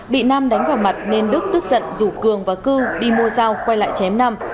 bị nam đánh vào mặt nên đức tức giận rủ cường và cư đi mua dao quay lại chém nam